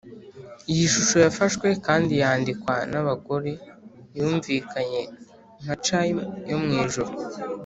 iyi shusho yafashwe kandi yandikwa nabagore yumvikanye nka chime yo mwijuru.